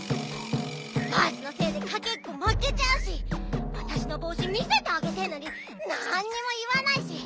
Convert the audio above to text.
バースのせいでかけっこまけちゃうしわたしのぼうし見せてあげてるのになんにもいわないし！